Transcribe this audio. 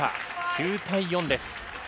９対４です。